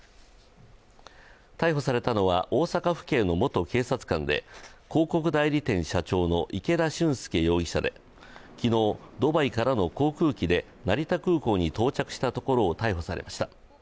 逮捕されたのは大阪府警の元警察官で広告代理店社長の池田俊輔容疑者で昨日、ドバイからの航空機で成田空港に到着したところを逮捕されました。